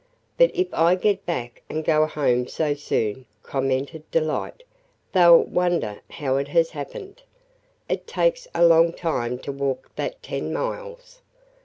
"But if I get back and go home so soon," commented Delight, "they 'll wonder how it has happened. It takes a long time to walk that ten miles.